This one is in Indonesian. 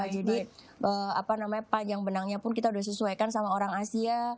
jadi apa namanya panjang benangnya pun kita udah sesuaikan sama orang asia